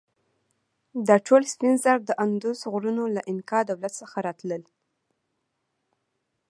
دا ټول سپین زر د اندوس غرونو له انکا دولت څخه راتلل.